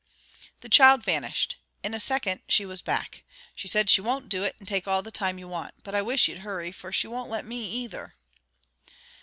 The child vanished. In a second she was back. "She said she won't do it, and take all the time you want. But I wish you'd hurry, for she won't let me either."